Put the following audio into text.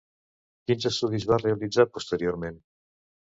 Quins estudis va realitzar posteriorment?